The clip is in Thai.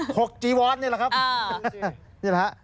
ถกจีวัลนี่แหละครับ